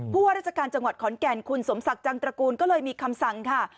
ว่าราชการจังหวัดขอนแก่นคุณสมศักดิ์จังตระกูลก็เลยมีคำสั่งค่ะ